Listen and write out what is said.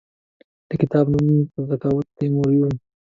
د کتاب نوم تزوکات تیموري وو.